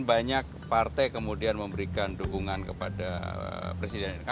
dan banyak partai kemudian memberikan dukungan kepada presiden